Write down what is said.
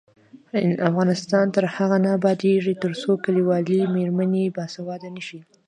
افغانستان تر هغو نه ابادیږي، ترڅو کلیوالې میرمنې باسواده نشي.